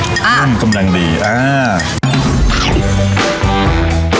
อ้าวมันกำลังดีอ้าว